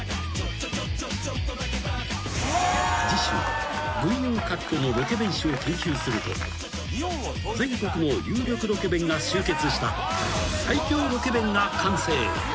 ［次週群雄割拠のロケ弁史を研究すると］［全国の有力ロケ弁が集結した］